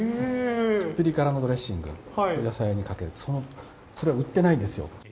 ピリ辛のドレッシングを野菜にかけて、それは売ってないんですよ。